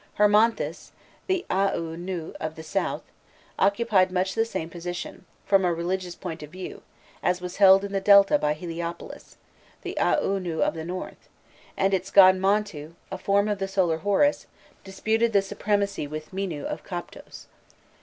Hermonthis, the Aûnû of the South, occupied much the same position, from a religious point of view, as was held in the Delta by Heliopolis, the Aûnû of the North, and its god Montû, a form of the Solar Horus, disputed the supremacy with Mînû, of Koptos.